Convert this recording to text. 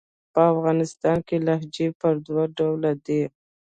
په افغانستان کښي لهجې پر دوه ډوله دي.